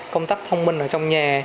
công tác thông minh trong nhà